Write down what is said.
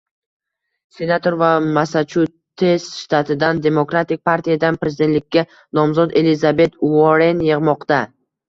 senator va Massachusets shtatidan Demokratik partiyadan prezidentlikka nomzod Elizabet Uorren yig'moqda